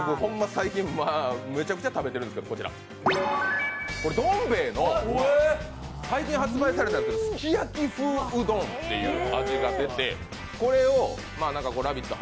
最近めちゃくちゃ食べてるんですけどどん兵衛の最近発売されたすき焼き風うどんというのが出てこれを「ラヴィット！」